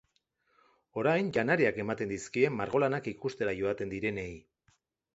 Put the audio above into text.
Orain, janariak ematen dizkie margolanak ikustera joaten direnei.